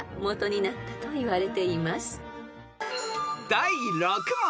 ［第６問］